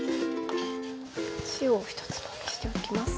塩を１つまみしておきます。